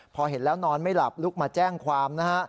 พอเห็นแล้วนอนไม่หลับลุกมาแจ้งความนะฮะ